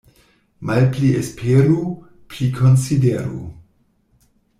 Malpli esperu, pli konsideru.